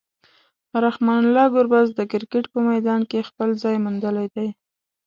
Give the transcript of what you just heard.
رحمان الله ګربز د کرکټ په میدان کې خپل ځای موندلی دی.